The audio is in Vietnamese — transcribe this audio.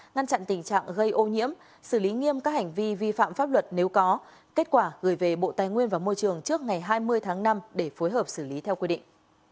ngăn chặn tình trạng gây ô nhiễm xử lý nghiêm các hành vi vi phạm pháp luật nếu có kết quả gửi về bộ tài nguyên và môi trường trước ngày hai mươi tháng năm để phối hợp xử lý theo quy định